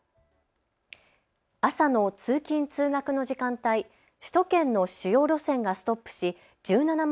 朝の通勤通学の時間帯、首都圏の主要路線がストップし１７万